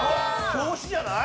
表紙じゃない？